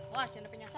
was jangan penyasar